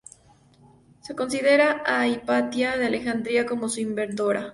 Se considera a Hipatia de Alejandría como su inventora.